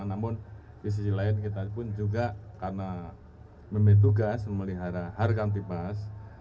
namun di sisi lain kita pun juga karena memiliki tugas memelihara harga antipas